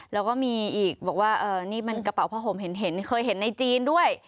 แล้วก็มีอีกบอกว่านี่มันกระเป๋าผ้าห่มเห็นเคยเห็นในจีนด้วย